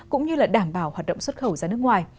cũng như là đảm bảo hoạt động xuất khẩu ra nước ngoài